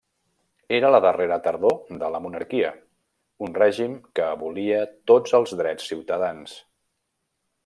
Era la darrera tardor de la monarquia, un règim que abolia tots els drets ciutadans.